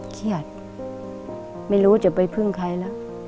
เครียดไม่รู้จะไปพึ่งใครแล้ว